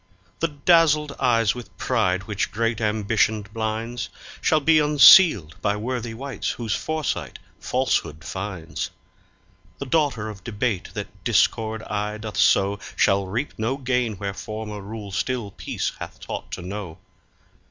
The dazzled eyes with pride, which great ambition blinds, Shall be unsealed by worthy wights whose foresight falsehood finds. The daughter of debate that discord aye doth sow Shall reap no gain where former rule still peace hath taught to know.